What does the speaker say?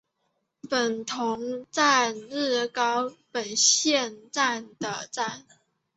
本桐站日高本线上的站。